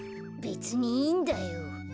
べつにいいんだよ。